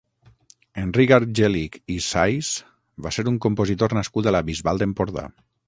Enric Argelich i Sais va ser un compositor nascut a la Bisbal d'Empordà.